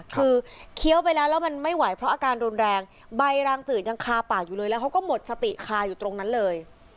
คือเคี้ยวไปแล้วแล้วมันไม่ไหวเพราะอาการรุนแรงใบรางจืดยังคาปากอยู่เลยแล้วเขาก็หมดสติคาอยู่ตรงนั้นเลย